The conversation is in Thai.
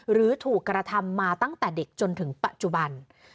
หรือถูกกระทำมาตั้งแต่เด็กจนถึงปัจจุบัน